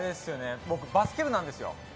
僕バスケ部なんですよ。